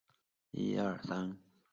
尖齿黄耆是豆科黄芪属的植物。